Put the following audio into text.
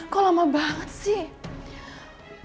kok lama banget sih